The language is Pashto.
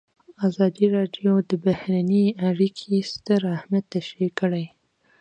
ازادي راډیو د بهرنۍ اړیکې ستر اهميت تشریح کړی.